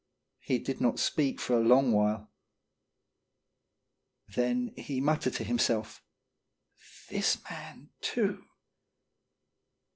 He did not speak for a long while. Then he muttered to himself: "TKyman, too!"